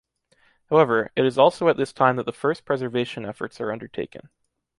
However, it is also at this time that the first preservation efforts are undertaken.